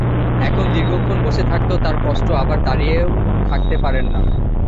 এখন দীর্ঘক্ষণ বসে থাকতেও তাঁর কষ্ট, আবার দাঁড়িয়েও থাকতে পারেন না।